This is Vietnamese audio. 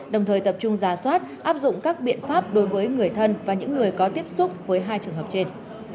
đồng thời tập trung giả soát áp dụng các biện pháp đối với người thân và những người có tiếp xúc với hai trường hợp trên